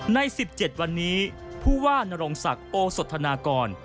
ใน๑๗วันนี้ผู้ว่านรงศักดิ์โอสธนากร